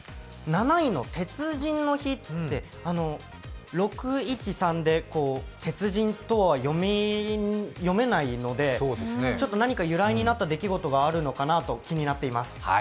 ７位の鉄人の日って、「６１３」で鉄人とは読めないので、ちょっと何か由来になった出来事があるのかなと気になっています。